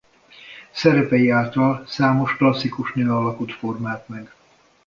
Szerepei által számos klasszikus nőalakot formált meg.